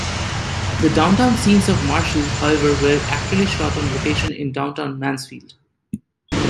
The downtown scenes of Marshall, however, were actually shot on location in downtown Mansfield.